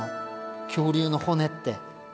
恐竜の骨って。